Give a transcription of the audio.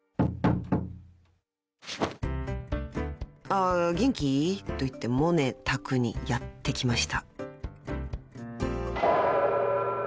・［「ああ。元気？」といってモネ宅にやって来ました］